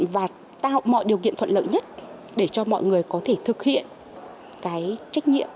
và tạo mọi điều kiện thuận lợi nhất để cho mọi người có thể thực hiện cái trách nhiệm